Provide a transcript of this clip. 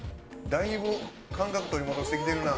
だいぶ感覚取り戻してきてるな。